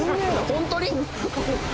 本当に？